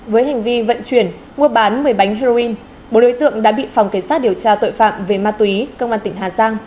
với hành vi vận chuyển mua bán một mươi bánh heroin bốn đối tượng đã bị phòng cảnh sát điều tra tội phạm về ma túy công an tỉnh hà giang